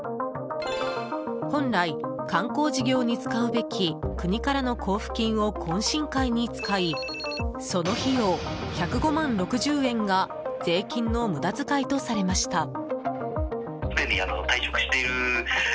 本来、観光事業に使うべき国からの交付金を懇親会に使いその費用１０５万６０円が税金の無駄遣いとされました。